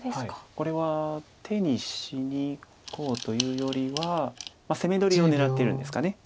これは手にしにいこうというよりは攻め取りを狙っているんですかね。